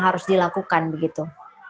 harus dilakukan begitu